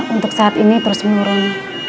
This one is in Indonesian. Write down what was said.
untuk saat ini terus menurun